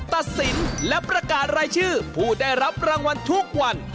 ตัดสินและประกาศรายชื่อผู้ได้รับรางวัลทุกวัน